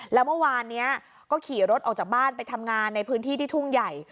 แล้วเมื่อวานนี้ก็ขี่รถออกจากบ้านไปทำงานในพื้นที่ที่ทุ่งใหญ่